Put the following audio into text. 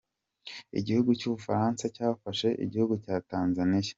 Igihugu cy’ubufaransa cyafashe igihugu cya Tuniziya.